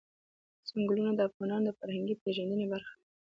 ځنګلونه د افغانانو د فرهنګي پیژندنې برخه ده.